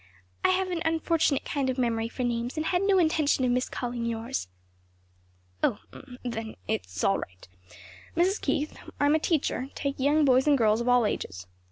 "I have an unfortunate kind of memory for names and had no intention of miscalling yours." "Oh! then it's all right. "Mrs. Keith, I'm a teacher; take young boys and girls of all ages.